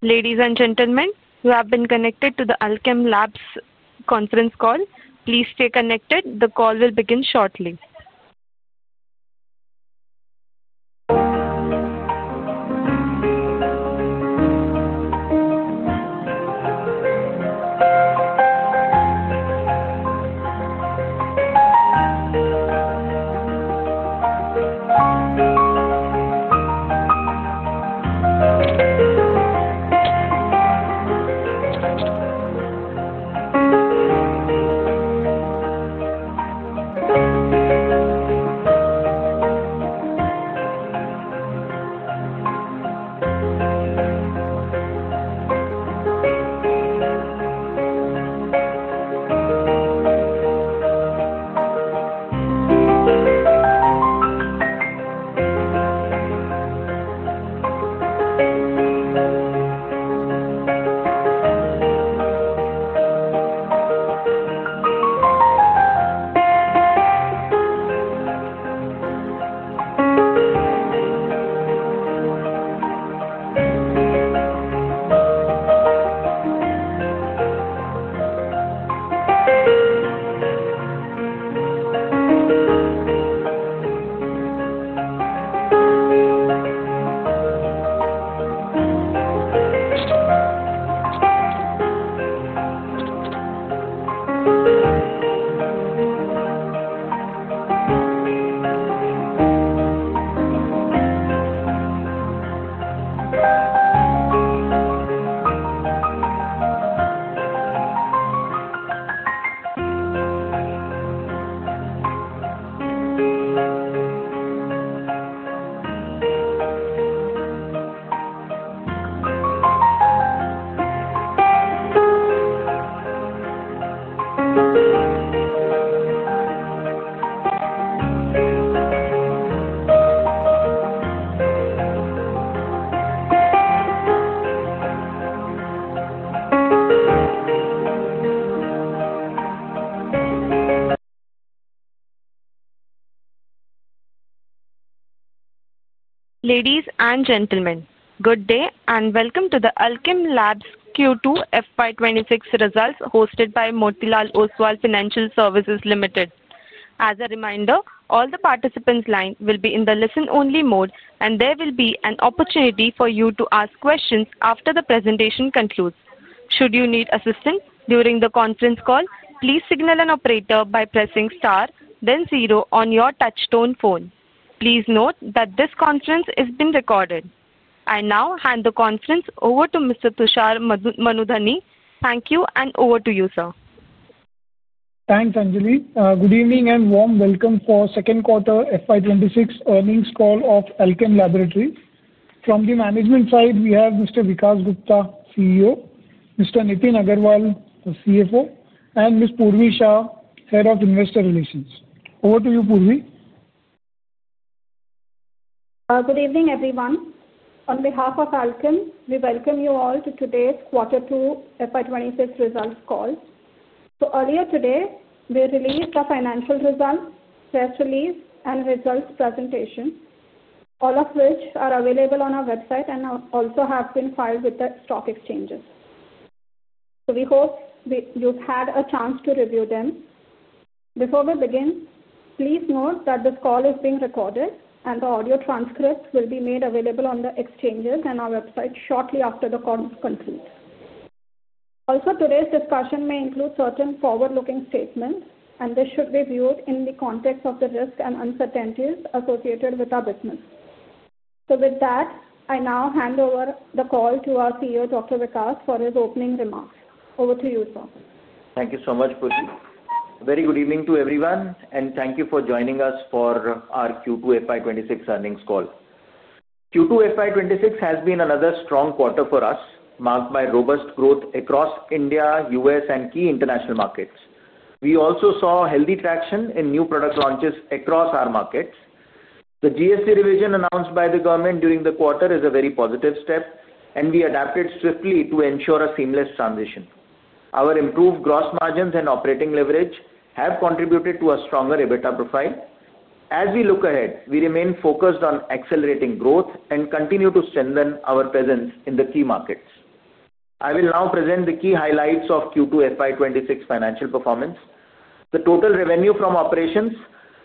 Ladies and gentlemen, you have been connected to the Alkem Laboratories Conference Call. Please stay connected. The Call will begin shortly. Ladies and gentlemen, good day and welcome to the Alkem Labs Q2 FY26 results, hosted by Motilal Oswal Financial Services Limited. As a reminder, all the participants' lines will be in the listen-only mode, and there will be an opportunity for you to ask questions after the presentation concludes. Should you need assistance during the Conference call, please signal an operator by pressing star, then zero on your touch-tone phone. Please note that this conference is being recorded. I now hand the conference over to Mr. Tushar Manudhane. Thank you, and over to you, sir. Thanks, Anjali. Good evening and warm welcome for the second quarter FY26 earnings call of Alkem Laboratories. From the management side, we have Mr. Vikas Gupta, CEO, Mr. Nitin Agarwal, the CFO, and Ms. Purvi Shah, Head of Investor Relations. Over to you, Purvi. Good evening, everyone. On behalf of Alkem, we welcome you all to today's quarter two FY2026 results call. Earlier today, we released the financial results, press release, and results presentation, all of which are available on our website and also have been filed with the stock exchanges. We hope you've had a chance to review them. Before we begin, please note that this call is being recorded, and the audio transcript will be made available on the exchanges and our website shortly after the call is concluded. Also, today's discussion may include certain forward-looking statements, and they should be viewed in the context of the risks and uncertainties associated with our business. With that, I now hand over the call to our CEO, Dr. Vikas Gupta, for his opening remarks. Over to you, sir. Thank you so much, Purvi. Very good evening to everyone, and thank you for joining us for our Q2 FY26 Earnings Call. Q2 FY26 has been another strong quarter for us, marked by robust growth across India, the U.S., and key international markets. We also saw healthy traction in new product launches across our markets. The GST revision announced by the government during the quarter is a very positive step, and we adapted swiftly to ensure a seamless transition. Our improved gross margins and operating leverage have contributed to a stronger EBITDA profile. As we look ahead, we remain focused on accelerating growth and continue to strengthen our presence in the key markets. I will now present the key highlights of Q2 FY26 financial performance. The total revenue from operations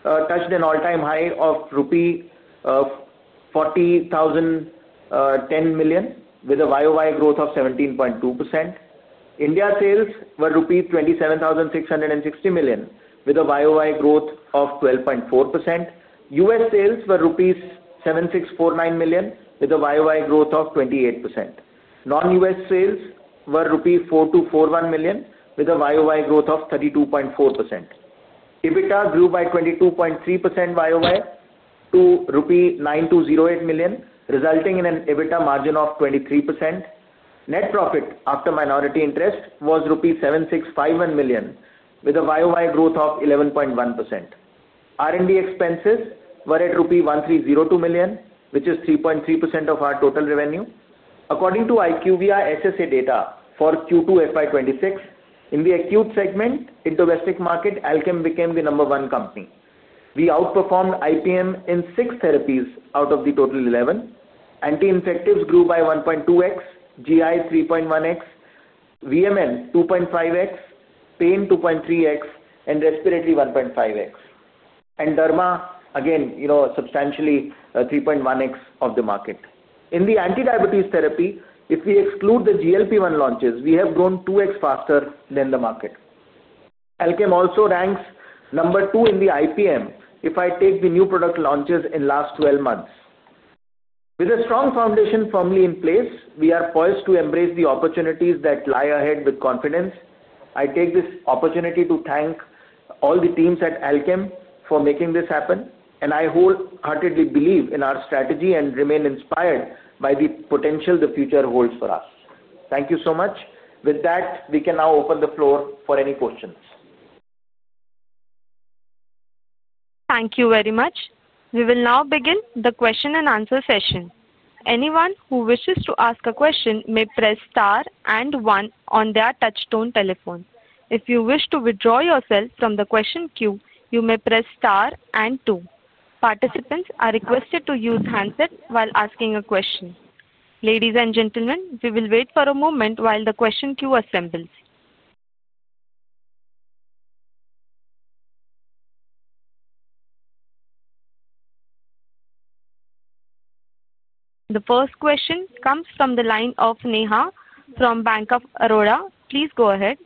touched an all-time high of rupee 40,010 million, with a YoY growth of 17.2%. India sales were rupee 27,660 million, with a YoY growth of 12.4%. US sales were rupees 7,649 million, with a YoY growth of 28%. Non-US sales were rupees 4,241 million, with a YoY growth of 32.4%. EBITDA grew by 22.3% YoY to rupee 9,208 million, resulting in an EBITDA margin of 23%. Net profit after minority interest was rupees 7,651 million, with a YoY growth of 11.1%. R&D expenses were at rupees 1,302 million, which is 3.3% of our total revenue. According to IQVIA SSA data for Q2 FY26, in the acute segment, in domestic market, Alkem became the number one company. We outperformed IPM in six therapies out of the total 11. Anti-infectives grew by 1.2x, GI 3.1x, VML 2.5x, Pain 2.3x, Respiratory 1.5x. Derma, again, substantially 3.1x of the market. In the anti-diabetes therapy, if we exclude the GLP-1 launches, we have grown 2x faster than the market. Alkem also ranks number two in the IPM if I take the new product launches in the last 12 months. With a strong foundation firmly in place, we are poised to embrace the opportunities that lie ahead with confidence. I take this opportunity to thank all the teams at Alkem for making this happen, and I wholeheartedly believe in our strategy and remain inspired by the potential the future holds for us. Thank you so much. With that, we can now open the floor for any questions. Thank you very much. We will now begin the question-and-answer session. Anyone who wishes to ask a question may press star and one on their touch-tone telephone. If you wish to withdraw yourself from the question queue, you may press star and two. Participants are requested to use handsets while asking a question. Ladies and gentlemen, we will wait for a moment while the question queue assembles. The first question comes from the line of Neha from Bank of Arora. Please go ahead.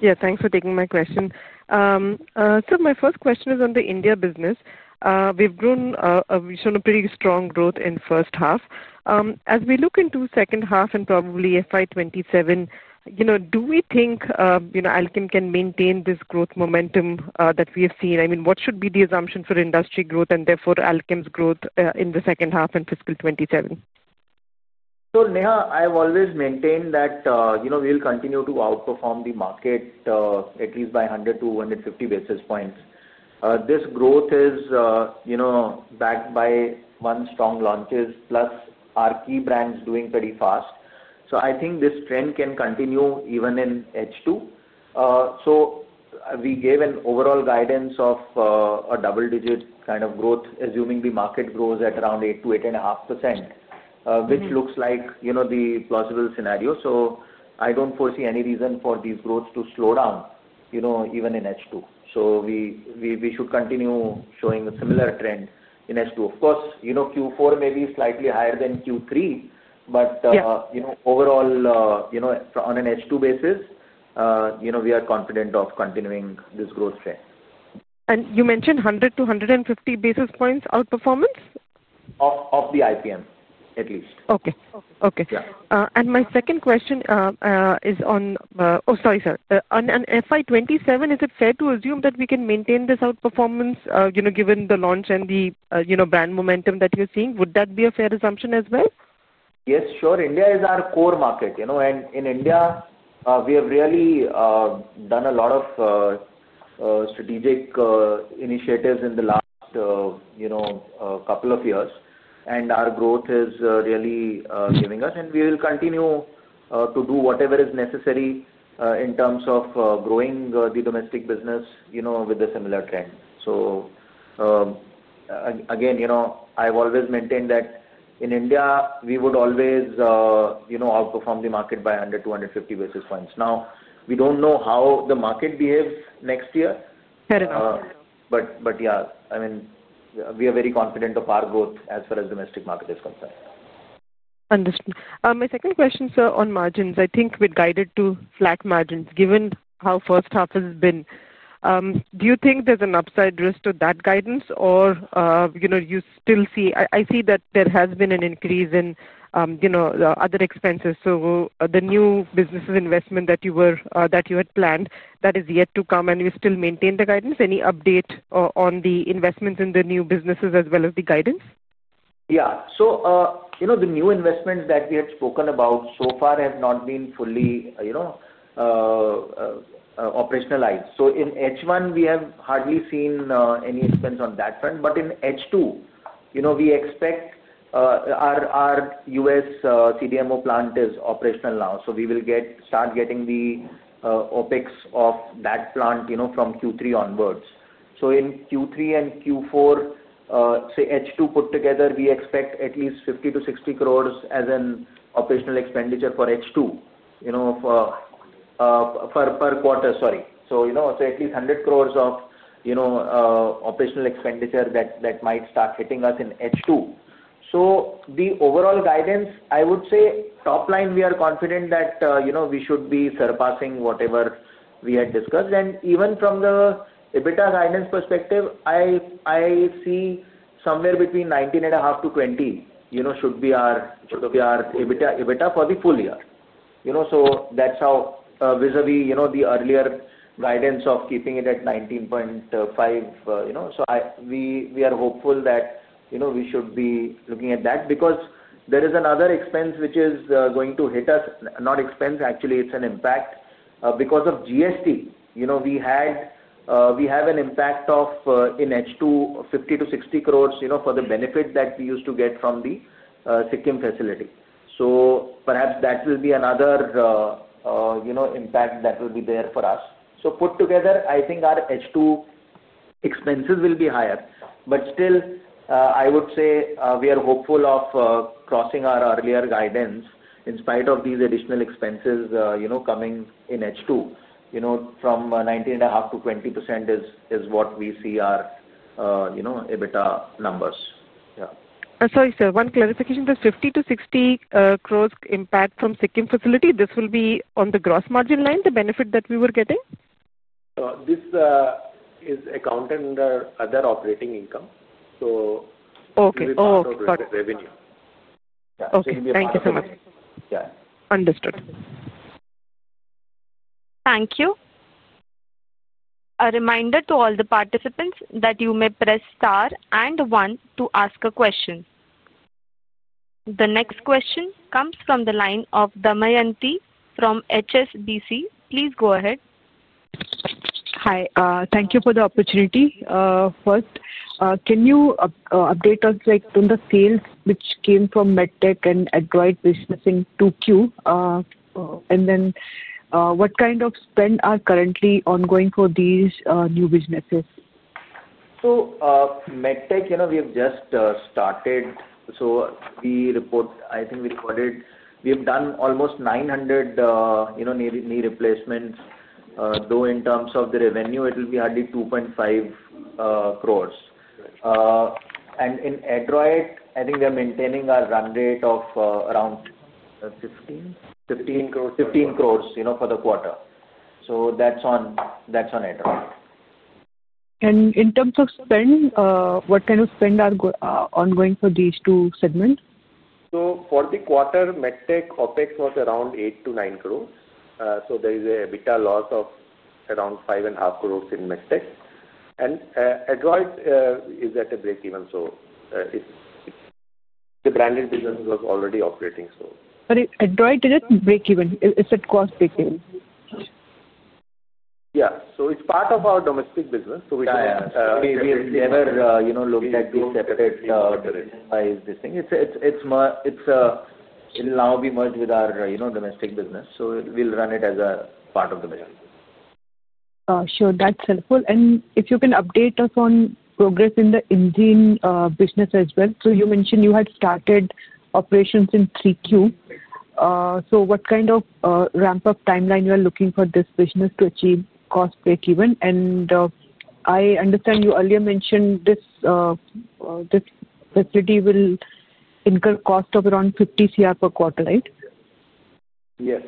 Yeah, thanks for taking my question. So my first question is on the India business. We've shown a pretty strong growth in the first half. As we look into the second half and probably FY 2027, do we think Alkem can maintain this growth momentum that we have seen? I mean, what should be the assumption for industry growth and therefore Alkem's growth in the second half and fiscal 2027? Neha, I have always maintained that we will continue to outperform the market at least by 100-150 basis points. This growth is backed by one, strong launches, plus our key brands doing pretty fast. I think this trend can continue even in H2. We gave an overall guidance of a double-digit kind of growth, assuming the market grows at around 8-8.5%, which looks like the plausible scenario. I do not foresee any reason for this growth to slow down even in H2. We should continue showing a similar trend in H2. Of course, Q4 may be slightly higher than Q3, but overall, on an H2 basis, we are confident of continuing this growth trend. You mentioned 100-150 basis points outperformance? Of the IPM, at least. Okay. Okay. My second question is on—oh, sorry, sir. On FY2027, is it fair to assume that we can maintain this outperformance given the launch and the brand momentum that you're seeing? Would that be a fair assumption as well? Yes, sure. India is our core market. In India, we have really done a lot of strategic initiatives in the last couple of years, and our growth is really giving us, and we will continue to do whatever is necessary in terms of growing the domestic business with a similar trend. I have always maintained that in India, we would always outperform the market by 100 to 150 basis points. Now, we do not know how the market behaves next year. Yeah, I mean, we are very confident of our growth as far as the domestic market is concerned. Understood. My second question, sir, on margins. I think we're guided to flat margins given how the first half has been. Do you think there's an upside risk to that guidance, or you still see—I see that there has been an increase in other expenses. So the new business investment that you had planned, that is yet to come, and you still maintain the guidance? Any update on the investments in the new businesses as well as the guidance? Yeah. The new investments that we had spoken about so far have not been fully operationalized. In H1, we have hardly seen any expense on that front. In H2, we expect our US CDMO plant is operational now. We will start getting the OpEx of that plant from Q3 onwards. In Q3 and Q4, H2 put together, we expect at least 50 crore-60 crore as an operational expenditure for H2 per quarter, sorry. At least 100 crore of operational expenditure might start hitting us in H2. The overall guidance, I would say top line, we are confident that we should be surpassing whatever we had discussed. Even from the EBITDA guidance perspective, I see somewhere between 19.5%-20% should be our EBITDA for the full year. That is how vis-à-vis the earlier guidance of keeping it at 19.5%. We are hopeful that we should be looking at that because there is another expense which is going to hit us. Not expense, actually, it's an impact. Because of GST, we have an impact of in H2, 50-60 crore for the benefit that we used to get from the Sikkim facility. Perhaps that will be another impact that will be there for us. Put together, I think our H2 expenses will be higher. Still, I would say we are hopeful of crossing our earlier guidance in spite of these additional expenses coming in H2. From 19.5%-20% is what we see our EBITDA numbers. Yeah. Sorry, sir, one clarification. The 50-60 crore impact from Sikkim facility, this will be on the gross margin line, the benefit that we were getting? This is accounted under other operating income. It will be part of the revenue. Okay. Thank you so much. Yeah. Understood. Thank you. A reminder to all the participants that you may press star and one to ask a question. The next question comes from the line of Damayanti from HSBC. Please go ahead. Hi. Thank you for the opportunity. First, can you update us on the sales which came from MedTech and Adroit business in Q2? Then what kind of spend are currently ongoing for these new businesses? MedTech, we have just started. I think we recorded we have done almost 900 knee replacements. Though in terms of the revenue, it will be hardly 2.5 crore. In Adroit, I think we are maintaining our run rate of around 15 crore for the quarter. That is on Adroit. In terms of spend, what kind of spend are ongoing for these two segments? For the quarter, MedTech OpEx was around 8-9 crore. There is an EBITDA loss of around 5.5 crore in MedTech. Adroit is at a break-even. The branded business was already operating, so. Adroit is at break-even. Is it cost-break-even? Yeah. So it's part of our domestic business. We cannot. We have never looked at this separate-wise, this thing. It'll now be merged with our domestic business. So we'll run it as a part of the business. Sure. That's helpful. If you can update us on progress in the Indian business as well. You mentioned you had started operations in Q2. What kind of ramp-up timeline are you looking for this business to achieve cost break-even? I understand you earlier mentioned this facility will incur a cost of around 50 crore per quarter, right? Yes.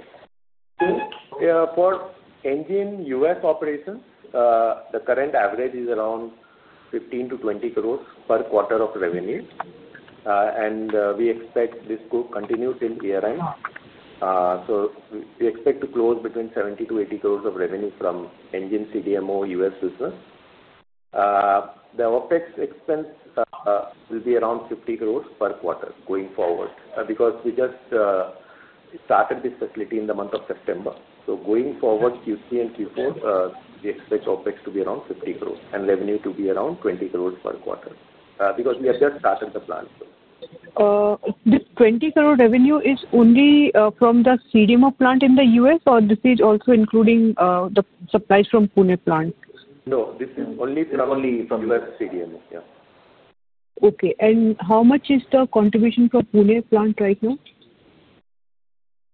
For Indian US operations, the current average is around 15-20 crore per quarter of revenue. We expect this to continue till year-end. We expect to close between 70-80 crore of revenue from Indian CDMO US business. The OpEx expense will be around 50 crore per quarter going forward because we just started this facility in the month of September. Going forward, Q3 and Q4, we expect OpEx to be around 50 crore and revenue to be around 20 crore per quarter because we have just started the plant. This 20 crore revenue is only from the CDMO plant in the US, or this is also including the supplies from Pune plant? No. This is only from US CDMO. Yeah. Okay. How much is the contribution from Pune plant right now?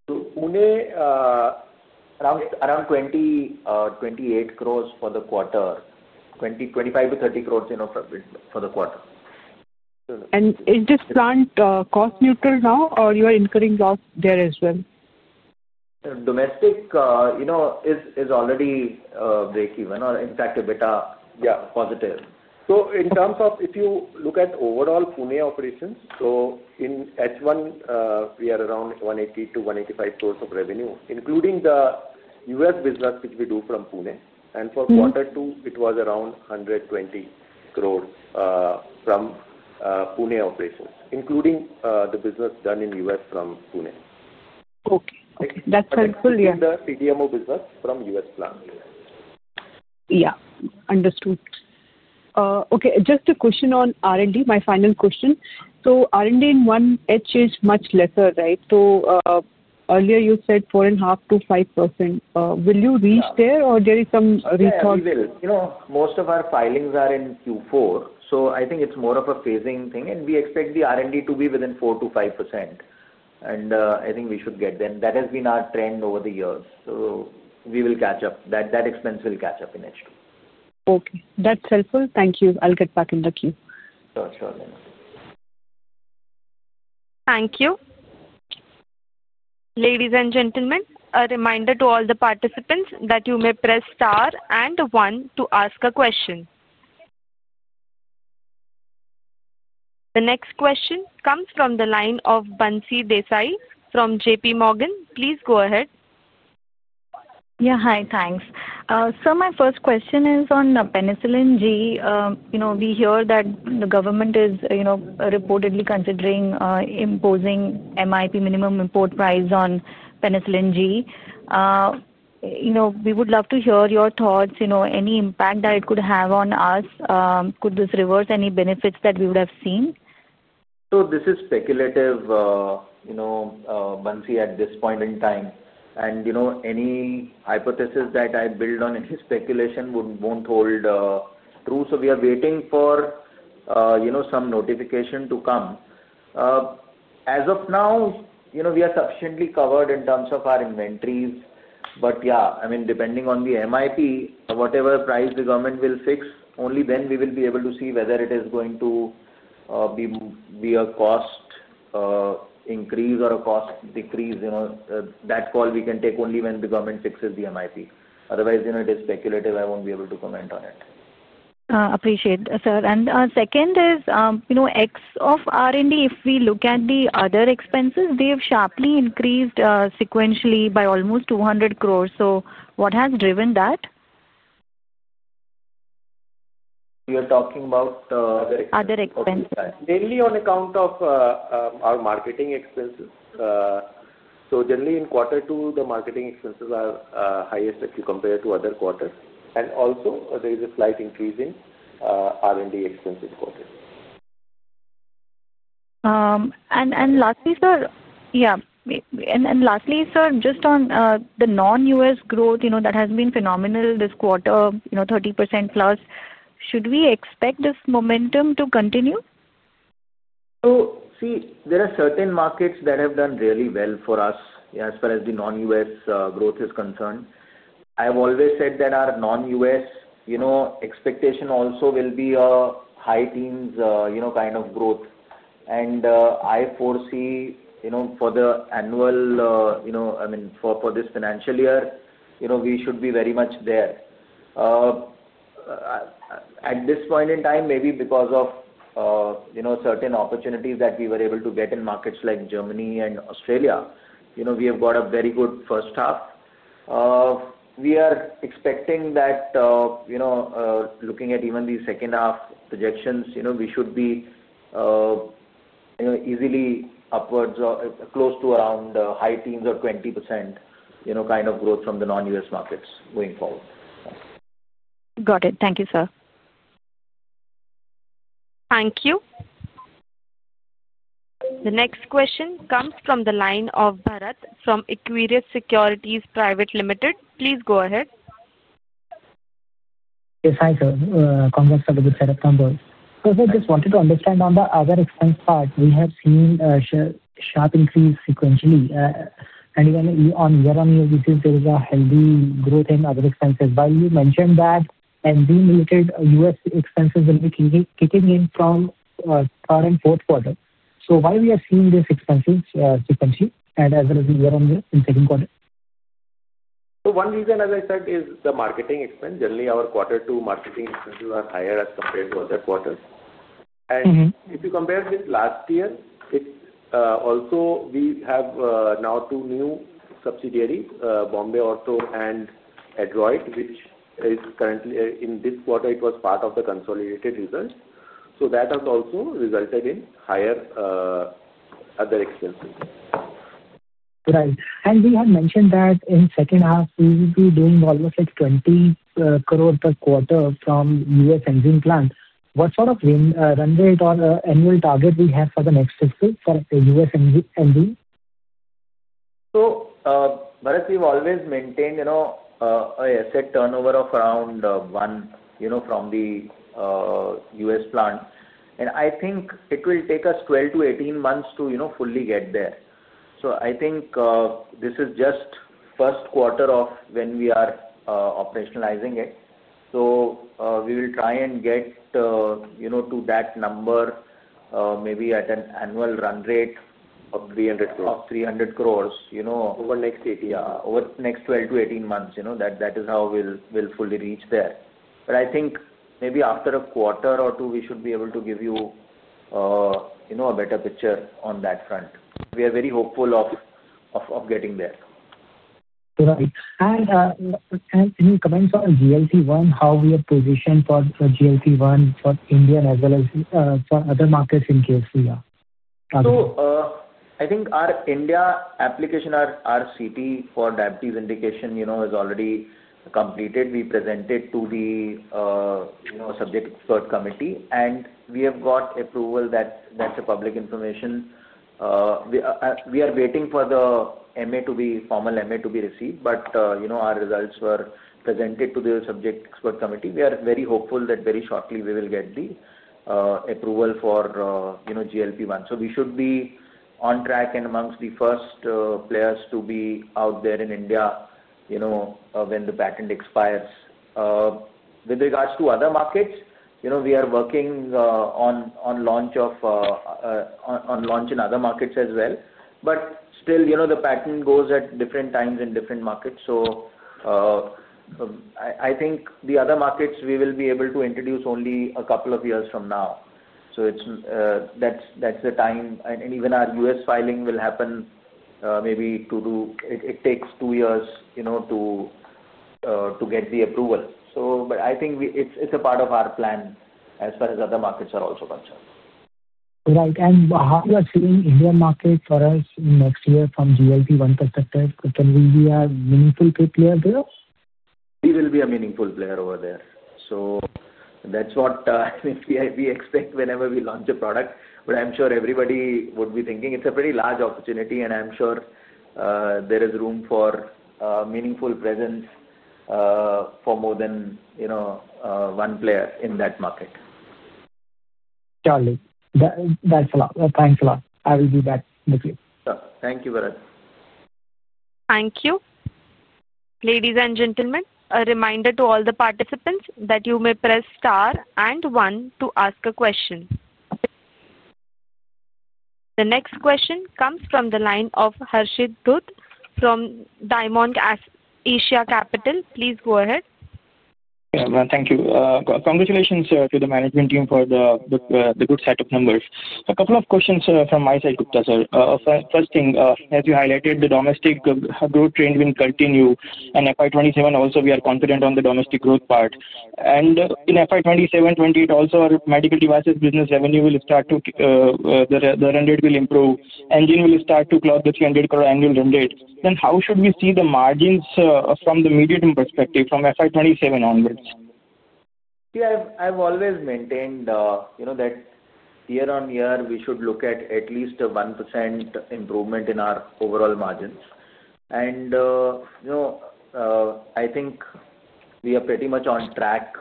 Pune, around 20-28 crore for the quarter. 25-30 crore for the quarter. Is this plant cost-neutral now, or are you incurring loss there as well? Domestic is already break-even or, in fact, EBITDA positive. In terms of if you look at overall Pune operations, in H1, we are around 180-185 crore of revenue, including the US business which we do from Pune. For quarter two, it was around 120 crore from Pune operations, including the business done in US from Pune. Okay. That's helpful. Yeah. The CDMO business from the US plant. Yeah. Understood. Okay. Just a question on R&D, my final question. So R&D in one H is much lesser, right? So earlier you said 4.5-5%. Will you reach there, or there is some recall? We will. Most of our filings are in Q4. I think it is more of a phasing thing. We expect the R&D to be within 4-5%. I think we should get there. That has been our trend over the years. We will catch up. That expense will catch up in H2. Okay. That's helpful. Thank you. I'll get back in the queue. Sure. Sure. Thank you. Thank you. Ladies and gentlemen, a reminder to all the participants that you may press star and one to ask a question. The next question comes from the line of Bansi Desai from JPMorgan. Please go ahead. Yeah. Hi. Thanks. My first question is on penicillin G. We hear that the government is reportedly considering imposing MIP, minimum import price, on penicillin G. We would love to hear your thoughts, any impact that it could have on us. Could this reverse any benefits that we would have seen? This is speculative, Bansi, at this point in time. Any hypothesis that I build on any speculation will not hold true. We are waiting for some notification to come. As of now, we are sufficiently covered in terms of our inventories. I mean, depending on the MIP, whatever price the government will fix, only then will we be able to see whether it is going to be a cost increase or a cost decrease. That call we can take only when the government fixes the MIP. Otherwise, it is speculative. I will not be able to comment on it. Appreciate, sir. Second is, X of R&D, if we look at the other expenses, they have sharply increased sequentially by almost 2.00 billion. What has driven that? You're talking about other expenses? Other expenses. Mainly on account of our marketing expenses. Generally, in quarter two, the marketing expenses are highest if you compare to other quarters. Also, there is a slight increase in R&D expenses quarter. Lastly, sir, just on the non-US growth that has been phenomenal this quarter, 30% plus, should we expect this momentum to continue? There are certain markets that have done really well for us as far as the non-US growth is concerned. I have always said that our non-US expectation also will be a high-teens kind of growth. I foresee for the annual—I mean, for this financial year, we should be very much there. At this point in time, maybe because of certain opportunities that we were able to get in markets like Germany and Australia, we have got a very good first half. We are expecting that, looking at even the second half projections, we should be easily upwards or close to around high-teens or 20% kind of growth from the non-US markets going forward. Got it. Thank you, sir. Thank you. The next question comes from the line of Bharat from Aquirius Securities Private Limited. Please go ahead. Yes. Hi, sir. Congrats on the setup conversation. I just wanted to understand on the other expense part. We have seen a sharp increase sequentially. On Year-on-Year basis, there is a healthy growth in other expenses. While you mentioned that US-related expenses will be kicking in from current fourth quarter, why are we seeing these expenses sequentially as well as Year-on-Year in second quarter? One reason, as I said, is the marketing expense. Generally, our quarter two marketing expenses are higher as compared to other quarters. If you compare with last year, also we have now two new subsidiaries, Bombay Auto and Adroit, which is currently in this quarter, it was part of the consolidated results. That has also resulted in higher other expenses. Right. We had mentioned that in the second half, we will be doing almost 20 crore per quarter from the U.S. engine plant. What sort of run rate or annual target will you have for the next six weeks for U.S. Bharat, we've always maintained an asset turnover of around one from the U.S. plant. I think it will take us 12-18 months to fully get there. I think this is just first quarter of when we are operationalizing it. We will try and get to that number maybe at an annual run rate of 300 crore. Over next 18 months. Yeah. Over the next 12 to 18 months. That is how we'll fully reach there. I think maybe after a quarter or two, we should be able to give you a better picture on that front. We are very hopeful of getting there. Right. Any comments on GLP-1, how we are positioned for GLP-1 for India as well as for other markets in case we are? I think our India application, our CT for diabetes indication is already completed. We presented to the subject expert committee, and we have got approval. That is public information. We are waiting for the MA to be formal MA to be received. Our results were presented to the subject expert committee. We are very hopeful that very shortly we will get the approval for GLP-1. We should be on track and amongst the first players to be out there in India when the patent expires. With regards to other markets, we are working on launch in other markets as well. Still, the patent goes at different times in different markets. I think the other markets we will be able to introduce only a couple of years from now. That is the time. Even our US filing will happen, maybe it takes two years to get the approval. I think it is a part of our plan as far as other markets are also concerned. Right. How are you seeing the market for us next year from a GLP-1 perspective? Can we be a meaningful player there? We will be a meaningful player over there. That is what we expect whenever we launch a product. I am sure everybody would be thinking it is a pretty large opportunity, and I am sure there is room for a meaningful presence for more than one player in that market. Charlie, thanks a lot. I will be back next week. Thank you, Bharat. Thank you. Ladies and gentlemen, a reminder to all the participants that you may press star and one to ask a question. The next question comes from the line of Harshit Dutt from Diamond Asia Capital. Please go ahead. Thank you. Congratulations to the management team for the good set of numbers. A couple of questions from my side, Gupta sir. First thing, as you highlighted, the domestic growth trend will continue. In FY 2027, also, we are confident on the domestic growth part. In FY 2027-2028, also, our medical devices business revenue will start, so the run rate will improve. The engine will start to close the 300 crore annual run rate. How should we see the margins from the medium perspective from FY 2027 onwards? See, I've always maintained that Year-on-Year, we should look at at least a 1% improvement in our overall margins. I think we are pretty much on track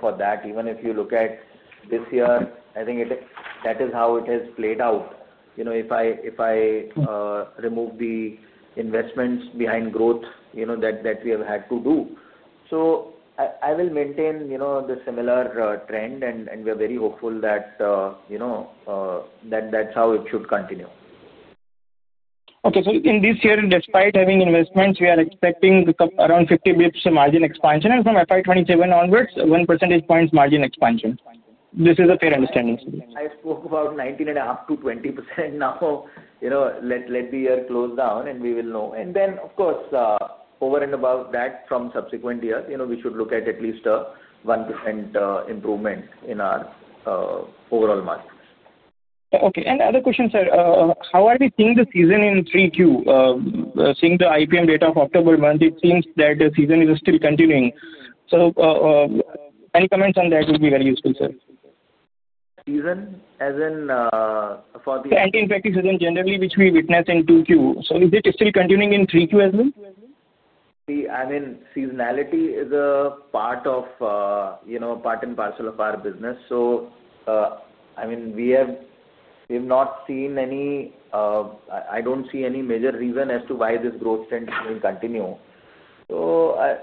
for that. Even if you look at this year, I think that is how it has played out. If I remove the investments behind growth that we have had to do. I will maintain the similar trend, and we are very hopeful that that's how it should continue. Okay. So in this year, despite having investments, we are expecting around 50 basis points margin expansion and from FY27 onwards, 1 percentage point margin expansion. This is a fair understanding. I spoke about 19.5%-20% now. Let the year close down, and we will know. Of course, over and above that, from subsequent years, we should look at at least a 1% improvement in our overall margins. Okay. Another question, sir. How are we seeing the season in 3Q? Seeing the IPM data of October month, it seems that the season is still continuing. Any comments on that would be very useful, sir. Season as in for the. The anti-infective season generally, which we witness in 2Q. Is it still continuing in 3Q as well? See, I mean, seasonality is part and parcel of our business. I mean, we have not seen any, I do not see any major reason as to why this growth trend will continue. I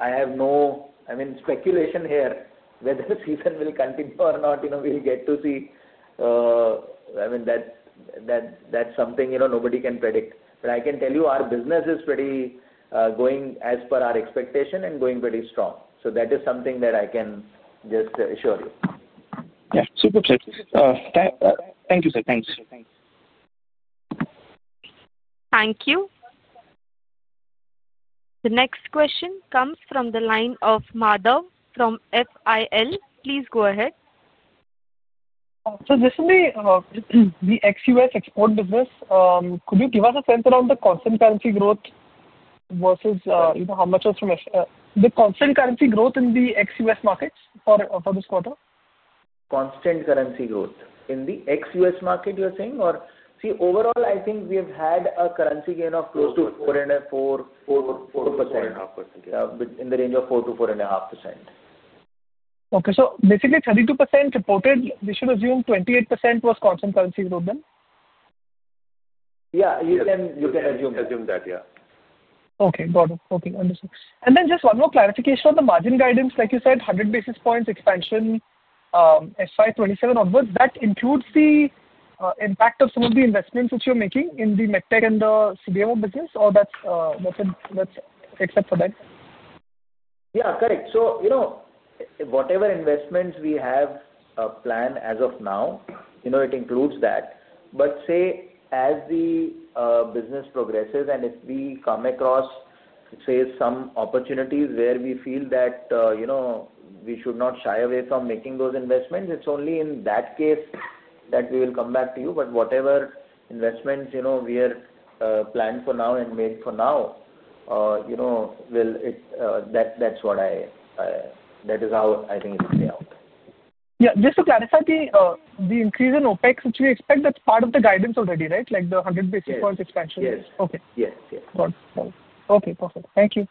have no, I mean, speculation here whether the season will continue or not. We will get to see. I mean, that is something nobody can predict. I can tell you our business is going as per our expectation and going pretty strong. That is something that I can just assure you. Yeah. Super. Thank you, sir. Thanks. Thank you. The next question comes from the line of Madhav from FIL. Please go ahead. This is the XUS export business. Could you give us a sense around the constant currency growth versus how much was from the constant currency growth in the XUS markets for this quarter? Constant currency growth in the US market, you're saying? Or see, overall, I think we have had a currency gain of close to 4.5%. 4.5%. In the range of 4-4.5%. Okay. So basically, 32% reported. We should assume 28% was constant currency growth, then? Yeah. You can assume that. Yeah. Okay. Got it. Okay. Understood. Then just one more clarification on the margin guidance. Like you said, 100 basis points expansion SI27 onwards. That includes the impact of some of the investments which you're making in the Medtech and the CDMO business, or that's except for that? Yeah. Correct. So whatever investments we have planned as of now, it includes that. As the business progresses and if we come across, say, some opportunities where we feel that we should not shy away from making those investments, it's only in that case that we will come back to you. Whatever investments we have planned for now and made for now, that is how I think it will play out. Yeah. Just to clarify, the increase in OpEx, do you expect that's part of the guidance already, right? Like the 100 basis points expansion? Yes. Got it. Okay. Perfect. Thank you.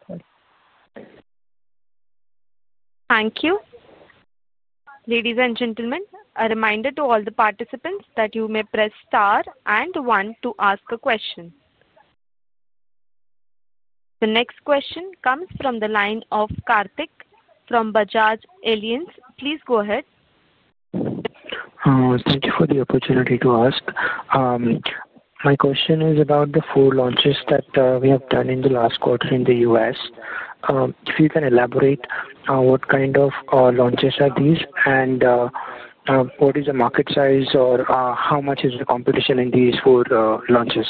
Thank you. Ladies and gentlemen, a reminder to all the participants that you may press star and one to ask a question. The next question comes from the line of Karthik from Bajaj Allianz. Please go ahead. Thank you for the opportunity to ask. My question is about the four launches that we have done in the last quarter in the U.S. If you can elaborate what kind of launches are these and what is the market size or how much is the competition in these four launches?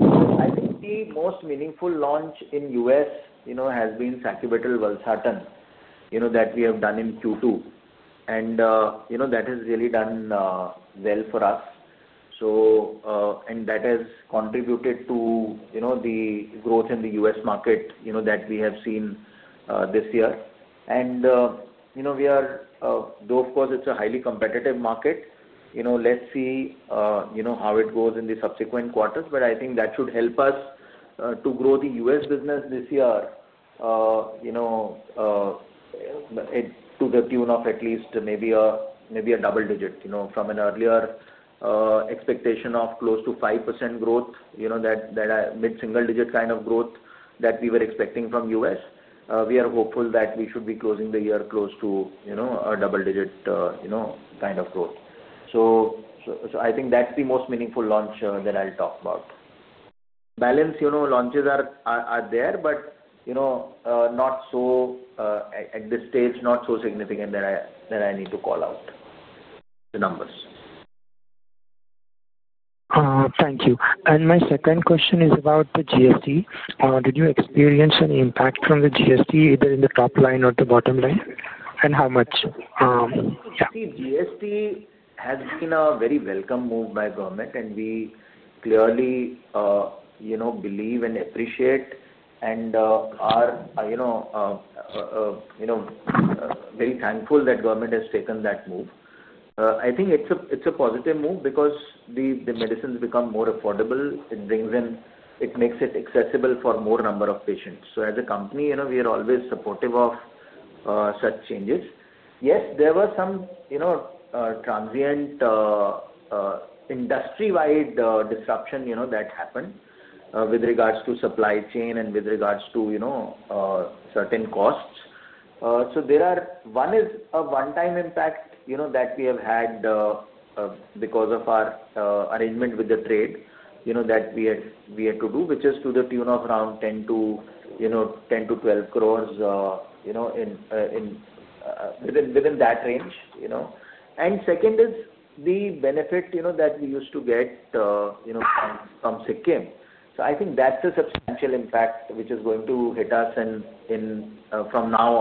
I think the most meaningful launch in the US has been Sacubitril/Valsartan that we have done in Q2. That has really done well for us. That has contributed to the growth in the US market that we have seen this year. Of course, it is a highly competitive market. Let's see how it goes in the subsequent quarters. I think that should help us to grow the US business this year to the tune of at least maybe a double digit from an earlier expectation of close to 5% growth, that mid-single digit kind of growth that we were expecting from the US. We are hopeful that we should be closing the year close to a double digit kind of growth. I think that is the most meaningful launch that I'll talk about. Balance launches are there, but not so at this stage, not so significant that I need to call out the numbers. Thank you. My second question is about the GST. Did you experience any impact from the GST either in the top line or the bottom line? How much? See, GST has been a very welcome move by Government, and we clearly believe and appreciate and are very thankful that government has taken that move. I think it's a positive move because the medicines become more affordable. It makes it accessible for a more number of patients. As a company, we are always supportive of such changes. Yes, there were some transient industry-wide disruption that happened with regards to supply chain and with regards to certain costs. One is a one-time impact that we have had because of our arrangement with the trade that we had to do, which is to the tune of around 10 crore-12 crore within that range. The second is the benefit that we used to get from Sikkim. I think that's a substantial impact which is going to hit us from now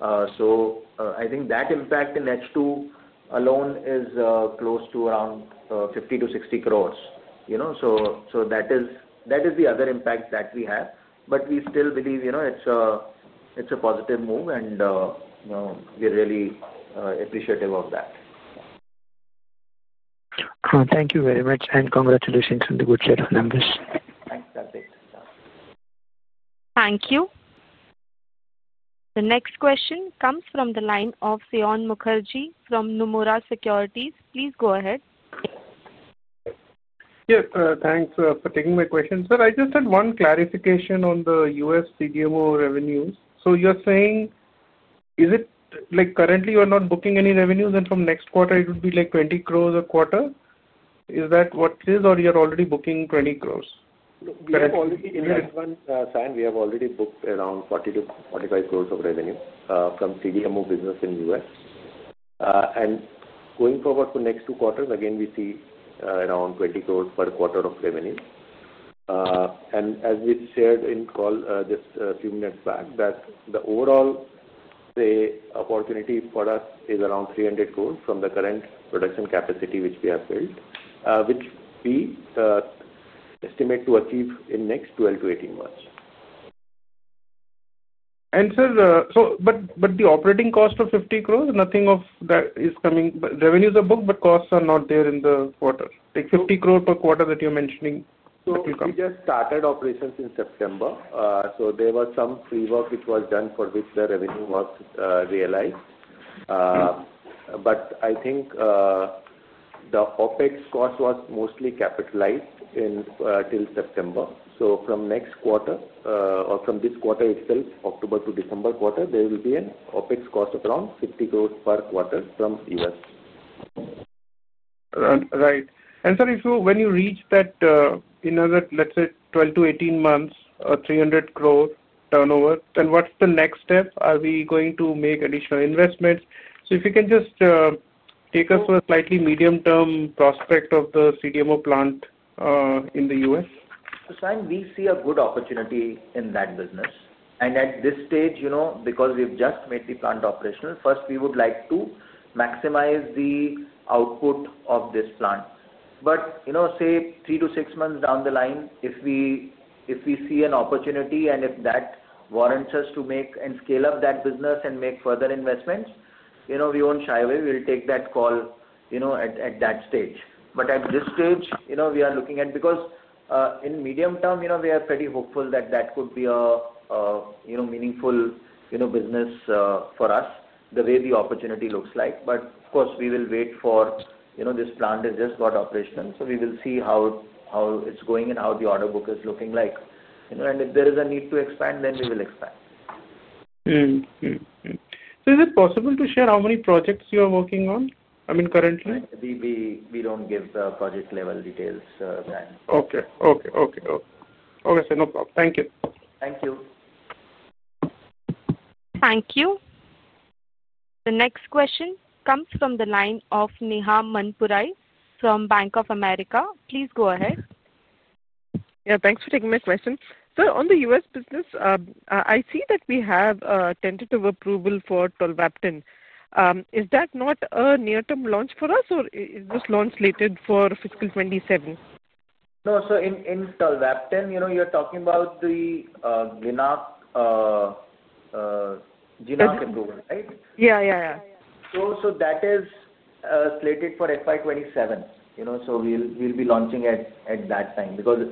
on. I think that impact in H2 alone is close to around 50 crore-60 crore. That is the other impact that we have. We still believe it's a positive move, and we're really appreciative of that. Thank you very much. Congratulations on the good set of numbers. Thanks, Harshit. Thank you. The next question comes from the line of Seon Mukherjee from Nomura Securities. Please go ahead. Yes. Thanks for taking my question. Sir, I just had one clarification on the US CDMO revenues. So you're saying currently you are not booking any revenues, and from next quarter, it would be like 20 crore a quarter. Is that what it is, or you're already booking 20 crore? We have already in this one, Seon, we have already booked around 40-45 crore of revenue from CDMO business in the US. Going forward to next two quarters, again, we see around 20 crore per quarter of revenue. As we shared in call just a few minutes back, the overall opportunity for us is around 300 crore from the current production capacity which we have built, which we estimate to achieve in next 12 to 18 months. Sir, but the operating cost of 50 crore, nothing of that is coming. Revenues are booked, but costs are not there in the quarter. Like 50 crore per quarter that you are mentioning, that will come? We just started operations in September. There was some pre-work which was done for which the revenue was realized. I think the OpEx cost was mostly capitalized till September. From next quarter or from this quarter itself, October to December quarter, there will be an OpEx cost of around 50 crore per quarter from US. Right. And, sir, if when you reach that, let's say, 12-18 months, 300 crore turnover, then what's the next step? Are we going to make additional investments? If you can just take us to a slightly medium-term prospect of the CDMO plant in the US. We see a good opportunity in that business. At this stage, because we've just made the plant operational, first, we would like to maximize the output of this plant. Say, three to six months down the line, if we see an opportunity and if that warrants us to make and scale up that business and make further investments, we won't shy away. We'll take that call at that stage. At this stage, we are looking at, because in the medium term, we are pretty hopeful that that could be a meaningful business for us, the way the opportunity looks like. Of course, we will wait for this plant, as it has just got operational. We will see how it's going and how the order book is looking like. If there is a need to expand, then we will expand. Is it possible to share how many projects you are working on? I mean, currently? We don't give the project-level details, Seon. Okay. Sir, no problem. Thank you. Thank you. Thank you. The next question comes from the line of Neha Manpurai from Bank of America. Please go ahead. Yeah. Thanks for taking my question. Sir, on the U.S. business, I see that we have tentative approval for Tolvaptan. Is that not a near-term launch for us, or is this launch slated for fiscal 2027? No, sir, in Tolvaptan, you're talking about the G.I.N.A.C. approval, right? Yeah. Yeah. That is slated for FY27. We'll be launching at that time because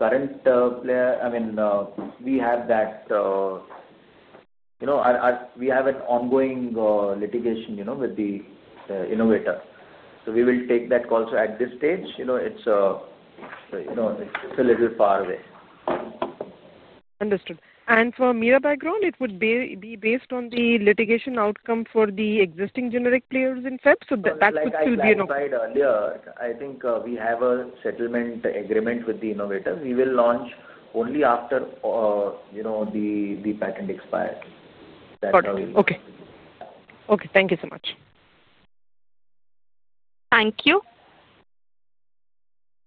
current player, I mean, we have an ongoing litigation with the innovator. We will take that call. At this stage, it's a little far away. Understood. And for Mirabegron, it would be based on the litigation outcome for the existing generic players in the US? So that would still be an. As I said earlier, I think we have a settlement agreement with the innovator. We will launch only after the patent expires. That's how we will. Okay. Okay. Thank you so much. Thank you.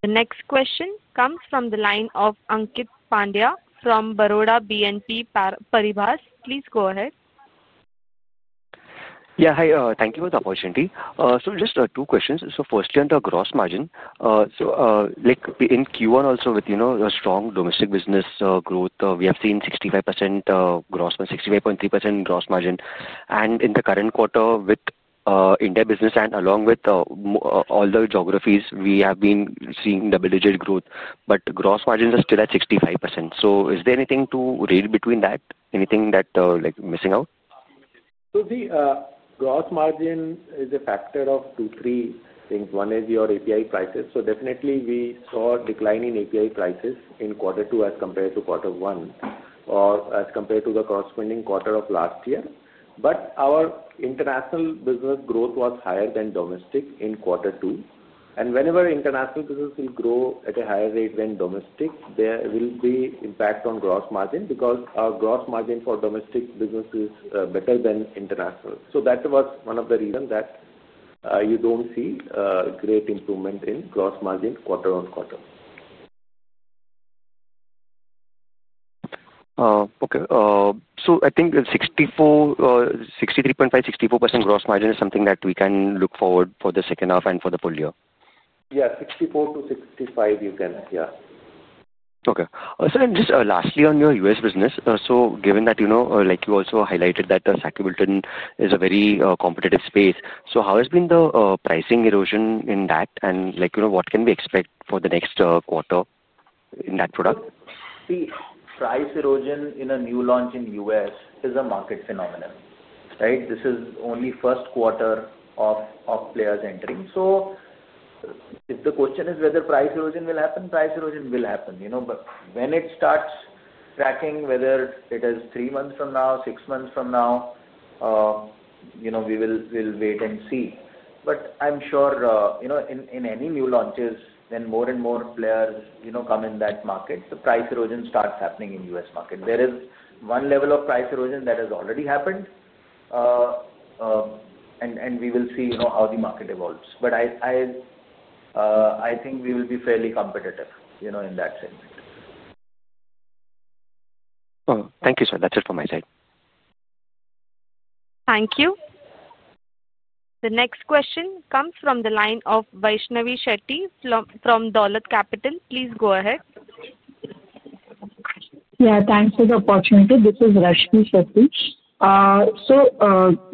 The next question comes from the line of Ankit Pandya from Baroda BNP Paribas. Please go ahead. Yeah. Hi. Thank you for the opportunity. Just two questions. Firstly, on the gross margin, in Q1 also, with the strong domestic business growth, we have seen 65% gross margin, 65.3% gross margin. In the current quarter, with India business and along with all the geographies, we have been seeing double-digit growth. Gross margins are still at 65%. Is there anything to read between that? Anything missing out? The gross margin is a factor of two, three things. One is your API prices. Definitely, we saw a decline in API prices in quarter two as compared to quarter one or as compared to the corresponding quarter of last year. Our international business growth was higher than domestic in quarter two. Whenever international business will grow at a higher rate than domestic, there will be impact on gross margin because our gross margin for domestic business is better than international. That was one of the reasons that you do not see a great improvement in gross margin quarter on quarter. Okay. So I think 63.5-64% gross margin is something that we can look forward for the second half and for the full year. Yeah. Sixty-four to sixty-five, you can. Yeah. Okay. Sir, just lastly on your US business. Given that you also highlighted that Sacubitril/Valsartan is a very competitive space, how has been the pricing erosion in that? What can we expect for the next quarter in that product? See, price erosion in a new launch in the U.S. is a market phenomenon, right? This is only the first quarter of players entering. If the question is whether price erosion will happen, price erosion will happen. When it starts tracking, whether it is three months from now, six months from now, we will wait and see. I'm sure in any new launches, when more and more players come in that market, the price erosion starts happening in the U.S. market. There is one level of price erosion that has already happened, and we will see how the market evolves. I think we will be fairly competitive in that segment. Thank you, sir. That's it from my side. Thank you. The next question comes from the line of Rashmi Shetty from Dhaulat Capital. Please go ahead. Yeah. Thanks for the opportunity. This is Rashmi Shetty.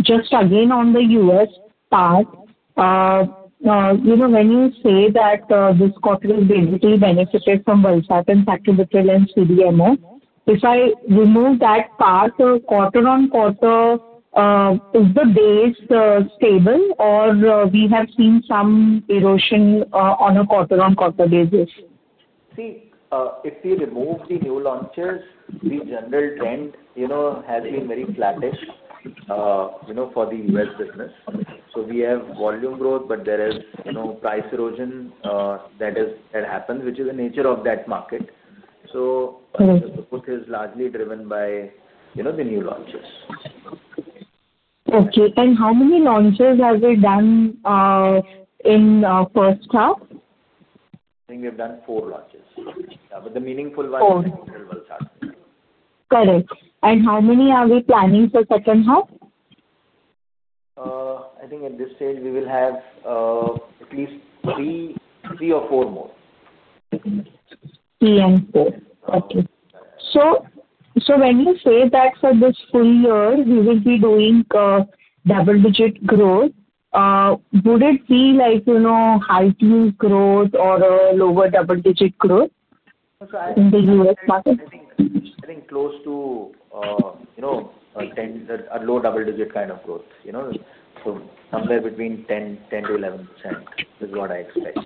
Just again on the US part, when you say that this quarter will be benefited from Valsartan, Sacubitril, and CDMO, if I remove that part, quarter on quarter, is the base stable, or have we seen some erosion on a quarter on quarter basis? See, if we remove the new launches, the general trend has been very flattish for the U.S. business. We have volume growth, but there is price erosion that happens, which is the nature of that market. The growth is largely driven by the new launches. Okay. How many launches have we done in first half? I think we've done four launches. The meaningful one is Valsartan. Correct. How many are we planning for second half? I think at this stage, we will have at least three or four more. Three and four. Okay. So when you say that for this full year, we will be doing double-digit growth, would it be like high-key growth or lower double-digit growth in the US market? I think close to a low double-digit kind of growth. So somewhere between 10-11% is what I expect.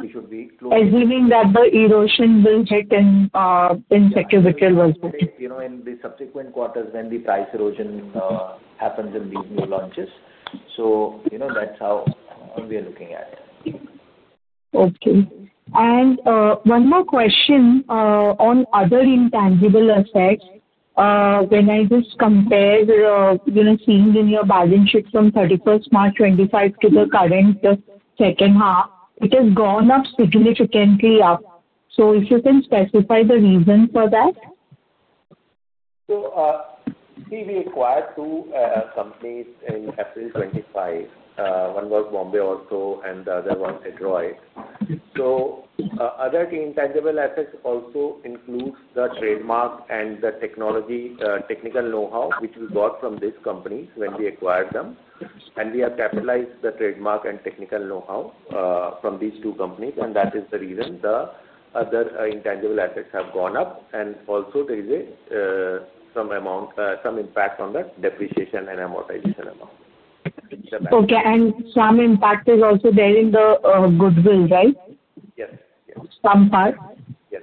We should be close. Assuming that the erosion will hit in Saki Betel was. In the subsequent quarters when the price erosion happens in these new launches. That is how we are looking at it. Okay. One more question on other intangible effects. When I just compare, seen in your balance sheet from 31 March 2025 to the current second half, it has gone up significantly up. If you can specify the reason for that? We acquired two companies in April 2025. One was Bombay Auto, and the other was Adroit. Other intangible assets also include the trademark and the technical know-how which we got from these companies when we acquired them. We have capitalized the trademark and technical know-how from these two companies. That is the reason the other intangible assets have gone up. Also, there is some impact on the depreciation and amortization amount. Okay. Some impact is also there in the goodwill, right? Yes. Yes. Some part. Yes.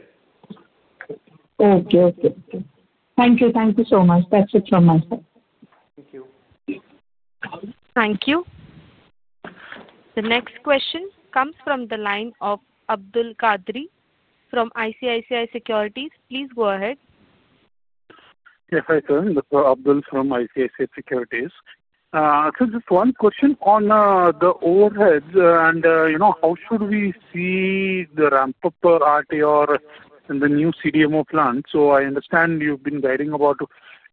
Okay. Thank you. Thank you so much. That's it from my side. Thank you. Thank you. The next question comes from the line of Abdul Qadri from ICICI Securities. Please go ahead. Yes, hi Sir. This is Abdul from ICICI Securities. Sir, just one question on the Overhead. How should we see the ramp-up RTR in the new CDMO plant? I understand you've been guiding about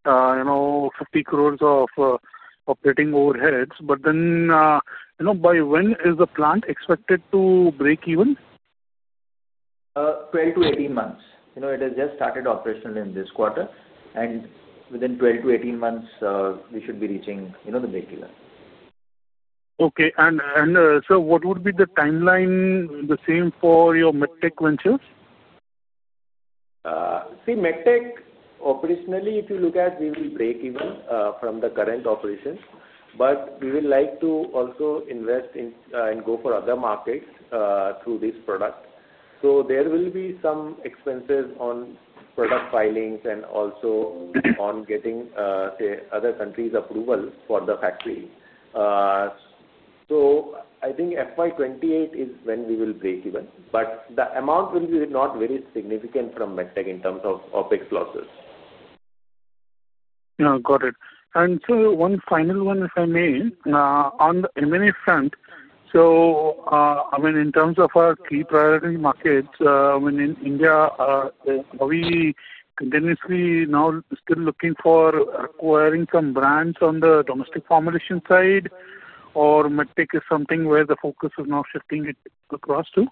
50 crore of operating overheads. By when is the plant expected to break even? Twelve to eighteen months. It has just started operational in this quarter. Within twelve to eighteen months, we should be reaching the breakeven. Okay. Sir, what would be the timeline the same for your MedTech ventures? See, MedTech, operationally, if you look at, we will break even from the current operations. We would like to also invest and go for other markets through this product. There will be some expenses on product filings and also on getting other countries' approval for the factory. I think FY2028 is when we will break even. The amount will be not very significant from MedTech in terms of OpEx losses. Got it. Sir, one final one, if I may. On the M&A front, in terms of our key priority markets, I mean, in India, are we continuously now still looking for acquiring some brands on the domestic formulation side, or is MedTech something where the focus is now shifting across to?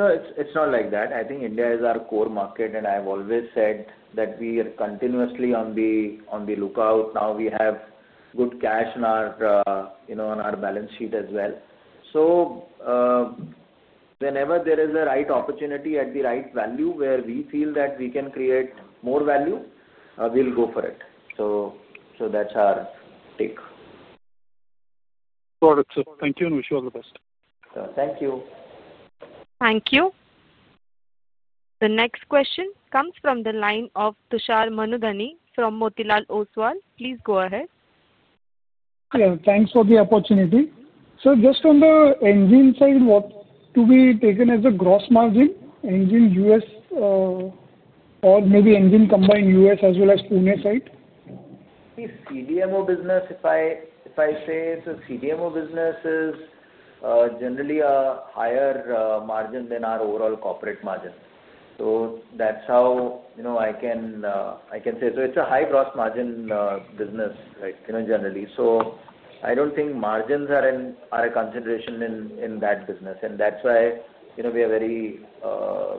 Sir, it's not like that. I think India is our core market, and I've always said that we are continuously on the lookout. Now we have good cash on our balance sheet as well. Whenever there is a right opportunity at the right value where we feel that we can create more value, we'll go for it. That's our take. Got it. Thank you, and wish you all the best. Thank you. Thank you. The next question comes from the line of Tushar Manudhane from Motilal Oswal. Please go ahead. Thanks for the opportunity. Sir, just on the engine side, to be taken as a gross margin, engine US or maybe engine combined US as well as Pune side? See, CDMO business, if I say, so CDMO business is generally a higher margin than our overall corporate margin. That is how I can say. It is a high-gross margin business, generally. I do not think margins are a consideration in that business. That is why we are very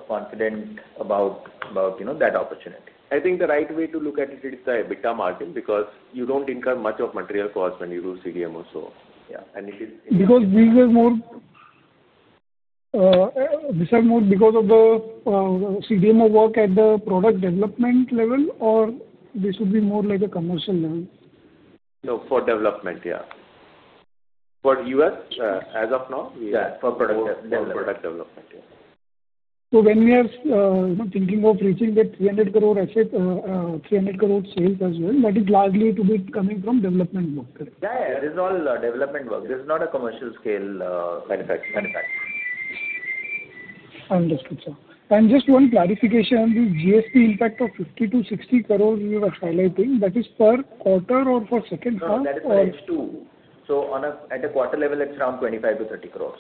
confident about that opportunity. I think the right way to look at it is the EBITDA margin because you do not incur much of material cost when you do CDMO, so. Yeah. And it is. Because these are more because of the CDMO work at the product development level, or this would be more like a commercial level? No, for development, yeah. For US, as of now, we are for product development. When we are thinking of reaching the 300 crore sales as well, that is largely to be coming from development work. Yeah. It is all development work. This is not a commercial-scale manufacturing. Understood, sir. Just one clarification, this GST impact of 50 crore-60 crore you were highlighting, is that per quarter or for the second half? No, that is points two. At the quarter level, it is around 25-30 crore.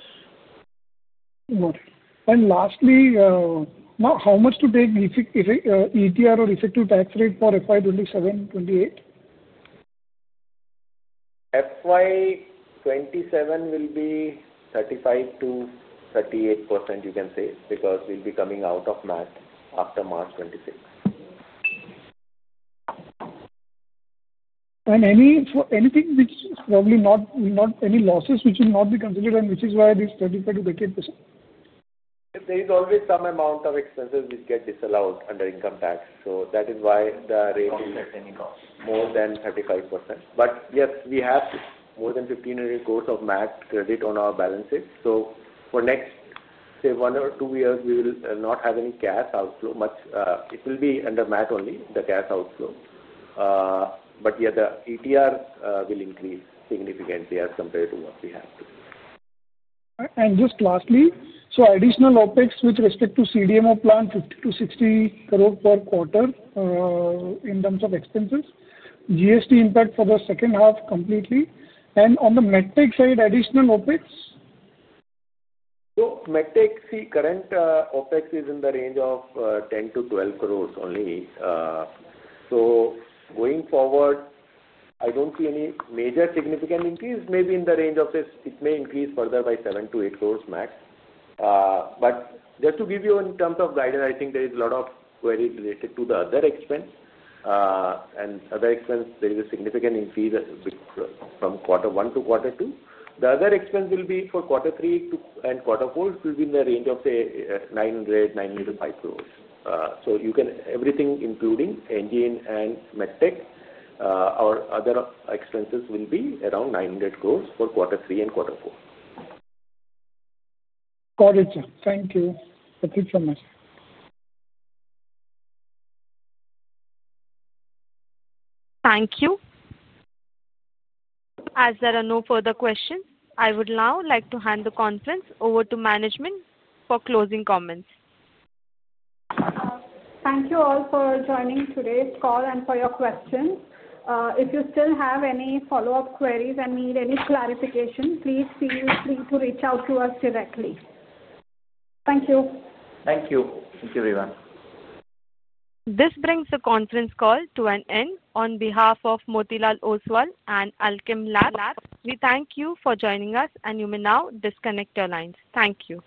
Got it. And lastly, how much to take ETR or effective tax rate for FY 2027/2028? FY27 will be 35-38%, you can say, because we'll be coming out of MAT after March 2026. Anything which is probably not any losses which will not be considered, and which is why this 35-38%? There is always some amount of expenses which get disallowed under income tax. That is why the rate is more than 35%. Yes, we have more than 1,500 crore of MAT credit on our balances. For the next, say, one or two years, we will not have any cash outflow. It will be under MAT only, the cash outflow. Yeah, the ETR will increase significantly as compared to what we have to. Just lastly, so additional OpEx with respect to CDMO plan, 50 crore-60 crore per quarter in terms of expenses. GST impact for the second half completely. On the MedTech side, additional OpEx? MedTech, see, current OpEx is in the range of 10-12 crores only. Going forward, I do not see any major significant increase. Maybe in the range of this, it may increase further by 7-8 crores max. Just to give you in terms of guidance, I think there is a lot of query related to the other expense. Other expense, there is a significant increase from quarter one to quarter two. The other expense will be for quarter three and quarter four, it will be in the range of, say, 900, 900-905 crores. Everything including engine and MedTech or other expenses will be around 900 crores for quarter three and quarter four. Got it, sir. Thank you. That's it from my side. Thank you. As there are no further questions, I would now like to hand the conference over to management for closing comments. Thank you all for joining today's call and for your questions. If you still have any follow-up queries and need any clarification, please feel free to reach out to us directly. Thank you. Thank you. Thank you, everyone. This brings the conference call to an end. On behalf of Motilal Oswal and Alkem Laboratories, we thank you for joining us, and you may now disconnect your lines. Thank you.